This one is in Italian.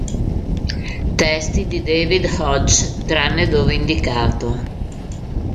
Testi di David Hodges, tranne dove indicato.